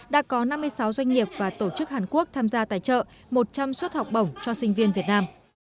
đã có năm mươi sáu doanh nghiệp và tổ chức hàn quốc tham gia tài trợ một trăm linh suất học bổng cho sinh viên việt nam